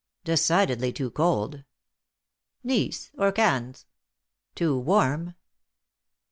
" Decidedly too cold." " Nice, or Cannes." " Too warm."